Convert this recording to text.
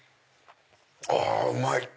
あうまい！